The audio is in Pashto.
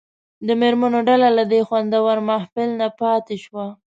د مېرمنو ډله له دې خوندور محفل نه پاتې شوه.